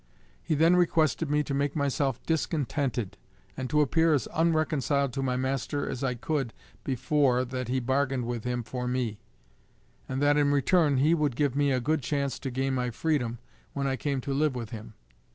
He then requested me to make myself discontented and to appear as unreconciled to my master as I could before that he bargained with him for me; and that in return he would give me a good chance to gain my freedom when I came to live with him.